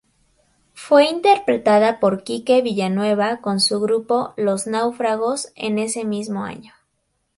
Fue interpretada por Quique Villanueva con su grupo Los Náufragos en ese mismo año.